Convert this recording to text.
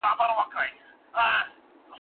اسلام به خدای ساتي، دوی شین اسلامآباد جوړوي